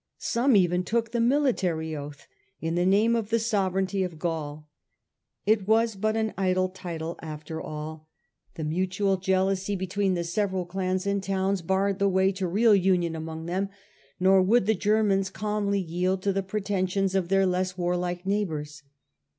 Some even took the military oath in the name of the sovereignty of Gaul. It was but an idle title after all. The mutual jealousy be* A. I). 69 79. 145 Vespasian. tween the several clans and towns barred the way to real union among them, nor would the Germans calmly yield to the pretensions of their less warlike neighbours.